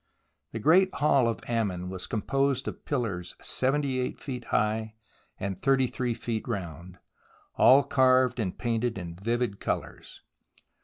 The great hall of Ammon was composed of pillars 78 feet high and 33 feet round, all carved and painted in vivid colours.